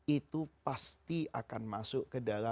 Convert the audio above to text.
itu pasti akan masuk neraka